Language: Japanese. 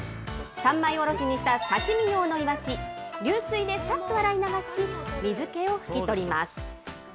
三枚おろしにした刺身用のいわし、流水でさっと洗い流し、水けを拭き取ります。